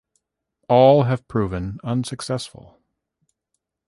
All have proven unsuccessful.